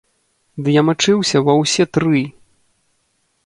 Ды я мачыўся ва ўсе тры!